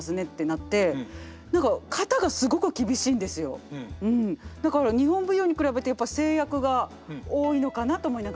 違うとだから日本舞踊に比べてやっぱり制約が多いのかなと思いながら。